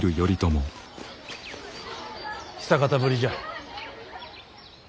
久方ぶりじゃ。